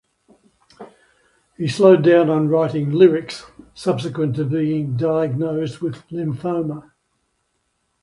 He slowed down on writing lyrics subsequent to being diagnosed with lymphoma.